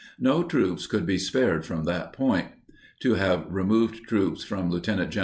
No troops could be spared from that point. To have removed troops from Lt. Gen.